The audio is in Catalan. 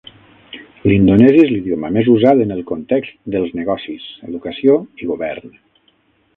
L'indonesi és l'idioma més usat en el context dels negocis, educació i govern.